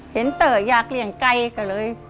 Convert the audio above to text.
เห็นเต๋อยากเรียงไก่ก็เลย